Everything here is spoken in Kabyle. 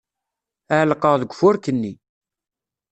Ɛellqeɣ deg ufurk-nni.